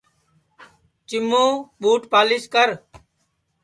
چِیمُوں ٻوٹ پالِیس کر